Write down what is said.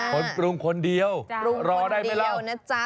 ปรุงคนเดียวรอได้ไหมเราปรุงคนเดียวนะจ๊ะ